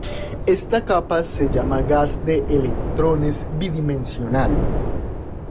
Esta capa se la llama gas de electrones bidimensional.